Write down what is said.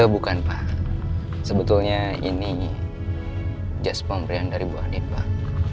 bukan pak sebetulnya ini jas pemberian dari bu anipah